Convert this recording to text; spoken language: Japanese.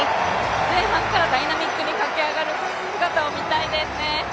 前半からダイナミックに駆け上がる姿を見たいですね。